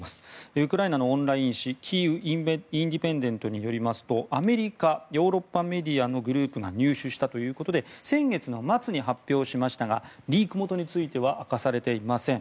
ウクライナのオンライン紙キーウ・インディペンデントによりますとアメリカヨーロッパメディアのグループが入手したということで先月末に発表しましたがリーク元については明かされていません。